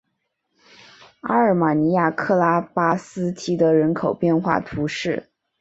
阿尔马尼亚克拉巴斯提德人口变化图示